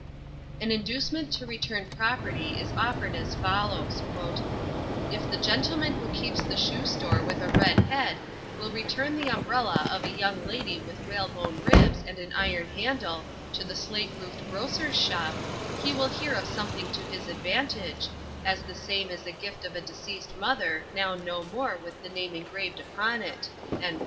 An inducement to return property is offered as follows: "If the gentleman who keeps the shoe store with a red head will return the umbrella of a young lady with whalebone ribs and an iron handle to the slate roofed grocer's shop, he will hear of something to his advantage, as the same is a gift of a deceased mother now no more with the name engraved upon it."